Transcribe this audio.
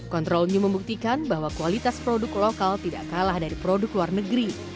control new membuktikan bahwa kualitas produk lokal tidak kalah dari produk luar negeri